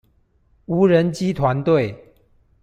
無人機團隊